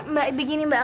mbak begini mbak